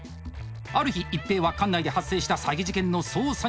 ある日一平は管内で発生した詐欺事件の捜査に向かいます。